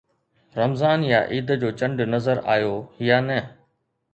رمضان يا عيد جو چنڊ نظر آيو يا نه؟